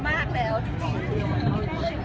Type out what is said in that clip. แม่กับผู้วิทยาลัย